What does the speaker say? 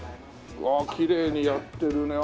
うわきれいにやってるね。